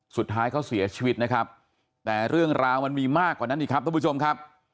สุดท้ายเขาเสียชีวิตนะครับแต่เรื่องราวมันมีมากกว่านั้นอีกครับทุกผู้ชมครับ